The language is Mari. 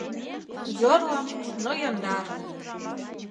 — Йорло, но яндар!